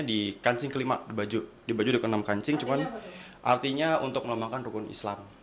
di kancing kelima baju dibaju dengan kancing cuman artinya untuk melambangkan rukun islam